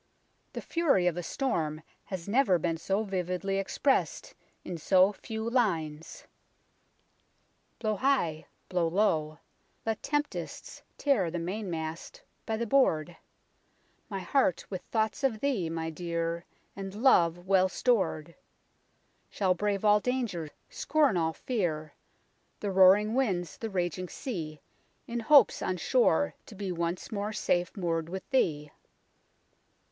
The fury of a storm has never been so vividly ex pressed in so few lines " Blow high, blow low, let tempests tear The mainmast by the board ; My heart with thoughts of thee, my dear, And love, well stor'd, Shall brave all danger, scorn all fear, The roaring winds, the raging sea. In hopes on shore To be once more Safe moor'd with thee.